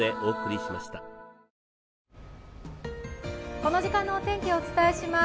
この時間のお天気をお伝えします。